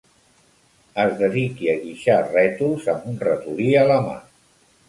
Es dediqui a guixar rètols amb un ratolí a la mà.